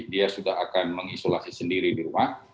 dia sudah akan mengisolasi sendiri di rumah